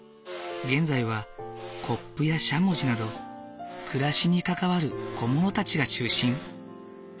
現在はコップやしゃもじなど暮らしに関わる小物たちが中心。